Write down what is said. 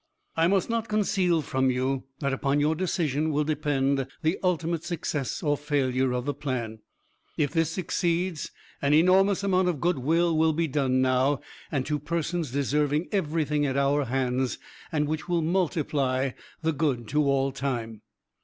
"I must not conceal from you that upon your decision will depend the ultimate success or failure of the plan.... If this succeeds, an enormous amount of good will be done now, and to persons deserving everything at our hands; and which will multiply the good to all time."